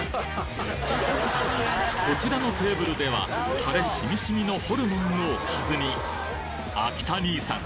こちらのテーブルではタレ染み染みのホルモンをおかずに秋田兄さん